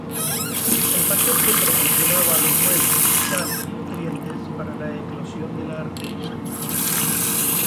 El paquete proporcionaba los huevos, sal y nutrientes para la eclosión de la Artemia.